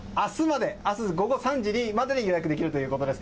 明日午後３時までに予約できるということです。